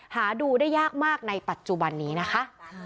หาดูได้ยากมากในปัจจุบันนี้นะคะ